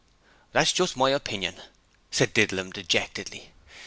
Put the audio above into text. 'That's just my opinion,' said Didlum dejectedly.